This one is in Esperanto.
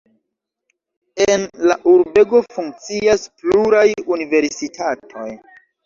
En la urbego funkcias pluraj universitatoj.